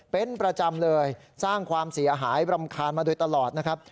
เป็นประจำเลยสร้างความเสียหายรำคาญมาโดยตลอดนะครับ